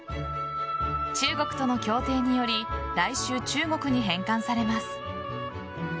中国との協定により来週、中国に返還されます。